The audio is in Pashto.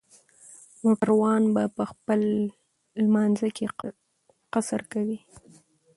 موټروان به په خپل لمانځه کې قصر کوي